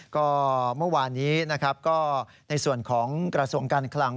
ก็เมื่อวานนี้นะครับก็ในส่วนของกระทรวงการคลัง